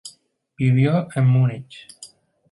Vivió en Múnich.